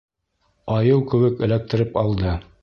Айыу кеүек эләктереп алды!..